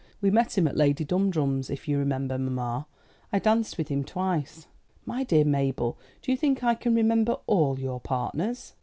We met him at Lady Dumdrum's, if you remember, mamma. I danced with him twice." "My dear Mabel, do you think I can remember all your partners?"